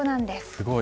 すごい。